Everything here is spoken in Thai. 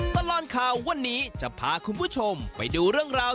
ตลอดข่าววันนี้จะพาคุณผู้ชมไปดูเรื่องราว